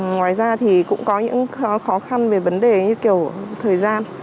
ngoài ra thì cũng có những khó khăn về vấn đề như kiểu thời gian